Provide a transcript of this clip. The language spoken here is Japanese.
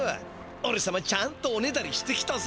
おれさまちゃんとおねだりしてきたぜ。